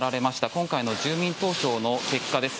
今回の住民投票の結果です。